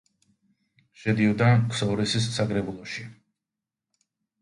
შედიოდა ქსოვრისის საკრებულოში.